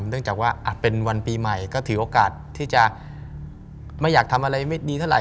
เนื่องจากว่าเป็นวันปีใหม่ก็ถือโอกาสที่จะไม่อยากทำอะไรไม่ดีเท่าไห